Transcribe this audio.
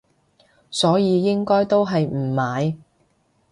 所以應該都係唔買